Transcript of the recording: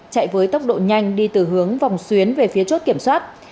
chạy với tốc độ nhanh đi từ hướng vòng xuyến về phía chốt kiểm soát